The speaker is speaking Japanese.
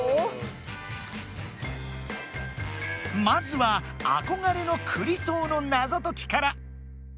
まずは「あこがれのクリソー」のナゾときから。